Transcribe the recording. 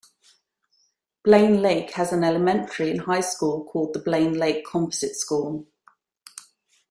Blaine Lake has an elementary and high school called the Blaine Lake Composite School.